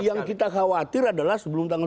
yang kita khawatir adalah sebelum tanggal tujuh belas